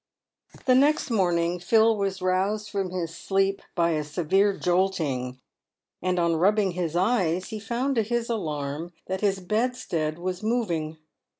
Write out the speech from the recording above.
The next morning Phil was roused from his sleep by a severe jolting, and on rubbing his eyes he found to his alarm that his bed stead was moving.